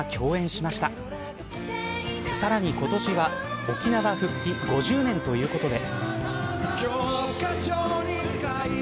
そして今年は沖縄復帰５０年ということで。